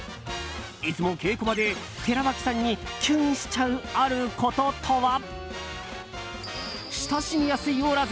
いつも稽古場で寺脇さんにキュンしちゃう、あることとは？